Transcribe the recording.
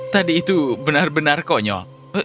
tadi itu benar benar konyol